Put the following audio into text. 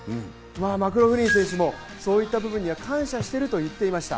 マクローフリン選手もそういった部分には感謝しているとも言ってました。